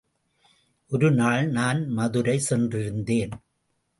ஒருநாள் நான் மதுரை சென்றிருந்தேன்.